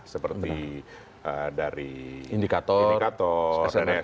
seperti dari indikator dan smrc